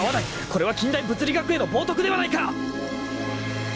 ［これは近代物理学への冒とくではないか！］